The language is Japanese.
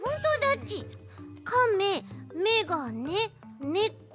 「かめ」「めがね」「ねこ」